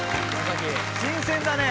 新鮮だね！